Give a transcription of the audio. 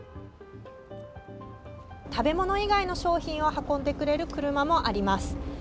食べ物以外の商品を運んでくれる車もあります。